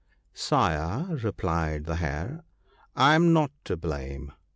' Sire/ replied the Hare, ' I am not to blame.